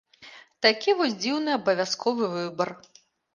Такі вось дзіўны абавязковы выбар.